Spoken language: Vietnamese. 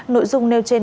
nội dung nêu trên